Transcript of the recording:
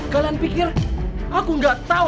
kalian pikir aku nggak tahu